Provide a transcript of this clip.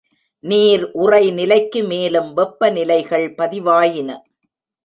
நீர் உறைநிலைக்கு மேலும் வெப்ப நிலைகள் பதிவாயின.